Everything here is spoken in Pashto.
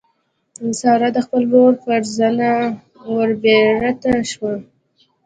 سارا د خپل ورور پر زنه وربېرته شوه.